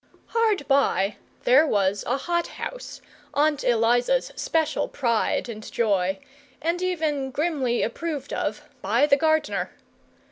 Hard by there was a hot house, Aunt Eliza's special pride and joy, and even grimly approved of by the gardener.